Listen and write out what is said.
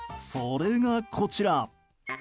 それがこちら。